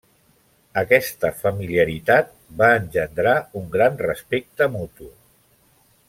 Aquesta familiaritat va engendrar un gran respecte mutu.